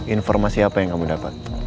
informasi apa yang kamu dapat